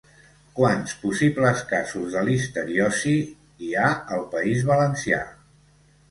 Quants possibles casos de listeriosi hi ha al País Valencià?